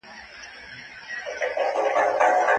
تر مقطعاتو حروفو وروسته د قرآن کريم انتصار او إعجاز بيان سوی دی.